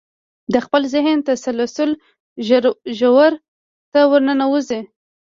د خپل ذهني تسلسل ژورو ته ورننوځئ.